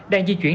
đang di chuyển